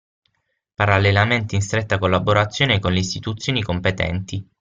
Parallelamente in stretta collaborazione con le istituzioni competenti.